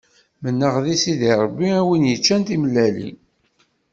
Mennaɣ di Sidi Ṛebbi, a wi yeččan timellalin.